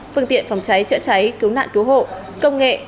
phương tiện phòng cháy chữa cháy cứu nạn cứu hộ công nghệ